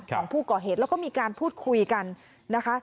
ของผู้ก่อเหตุแล้วก็มีการพูดคุยกันนะคะ